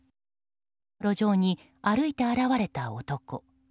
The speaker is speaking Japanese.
路上に歩いて現れた男。